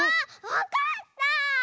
わかった！